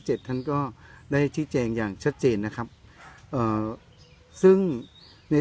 ท่านก็ได้ชี้แจงอย่างชัดเจนนะครับเอ่อซึ่งใน